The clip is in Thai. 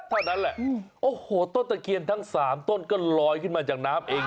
เท่านั้นแหละโอ้โหต้นตะเคียนทั้งสามต้นก็ลอยขึ้นมาจากน้ำเอง